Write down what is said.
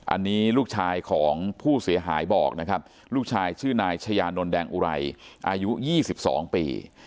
อันนี้ลูกชายของผู้เสียหายบอกนะครับลูกชายชื่อนายชายานนท์แดงอุไรอายุ๒๒ปี